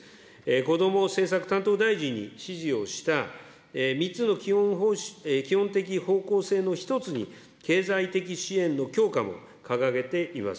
こども政策担当大臣に指示をした、３つの基本的方向性の１つに経済的支援の強化も掲げています。